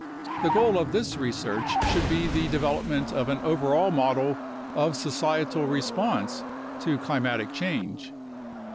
The goal of this research should be the development of an overall model of societal response to climatic change.